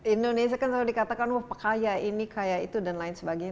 indonesia kan selalu dikatakan wah kaya ini kaya itu dan lain sebagainya